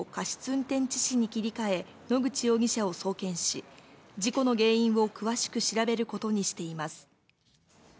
運転致死に切り替え、野口容疑者を送検し、事故の原因を詳しく調べることにしています。